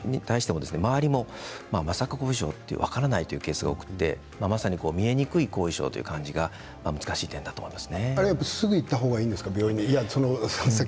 ご自身に対しても周りも、まさか後遺症と分からないケースが多くて見えにくい後遺症という感じが難しい点だと思います。